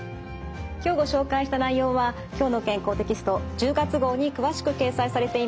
今日ご紹介した内容は「きょうの健康」テキスト１０月号に詳しく掲載されています。